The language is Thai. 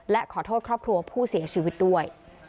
และขอโทษครอบครัวผู้เสียชีวิตด้วย